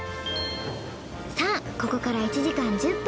さぁここから１時間１０分。